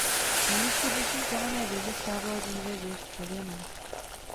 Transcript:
Na místě dnešní kamenné věže stávala dříve věž dřevěná.